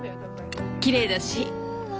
きれいだし。